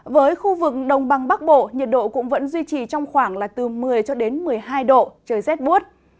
với khu vực đồng bằng bắc bộ nhiệt độ cũng vẫn duy trì trong khoảng là từ một mươi một mươi hai độ trời rét buốt